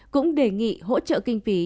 cũng đề nghị hỗ trợ kinh phí